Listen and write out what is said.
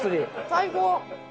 最高！